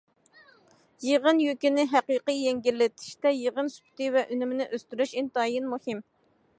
يىغىن يۈكىنى ھەقىقىي يەڭگىللىتىشتە، يىغىن سۈپىتى ۋە ئۈنۈمىنى ئۆستۈرۈش ئىنتايىن مۇھىم.